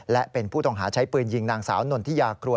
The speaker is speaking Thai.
และเป็นผู้ต้องหาใช้ปืนยิงนางสาวนนทิยาครัว